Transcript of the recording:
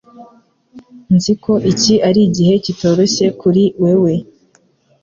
Nzi ko iki ari igihe kitoroshye kuri wewe.